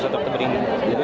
tidak ada hari hari